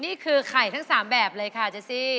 นี่คือไข่ทั้ง๓แบบเลยค่ะเจซี่